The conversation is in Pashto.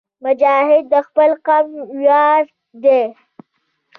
مجاهد د خپل قوم ویاړ دی.